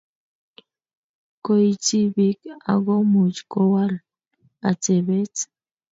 Koityi bik akomuch Kowal atebet